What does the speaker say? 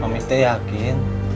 mami teh yakin